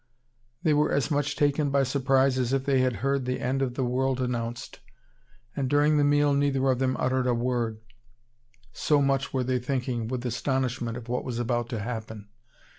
They were as much taken by surprise as if they had heard the end of the world announced, and during the meal neither of them uttered a word, so much were they thinking with astonishment of what was about to happen.